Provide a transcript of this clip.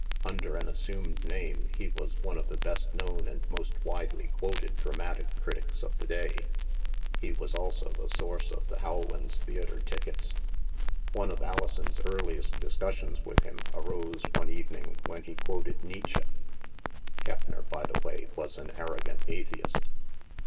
Under an assumed name, he was one of the best known and most widely quoted dramatic critics of the day. He was also the source of the Rowlands' theatre tickets. One of Alison's earliest discussions with him arose one evening when he quoted Nietzsche. Keppner, by the way, was an arrogant atheist.